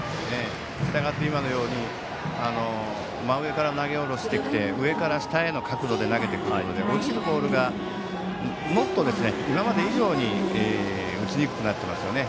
今のように真上から投げ下ろしてきて上から下への角度で投げてくるので落ちるボールがもっと今まで以上に打ちにくくなっていますね。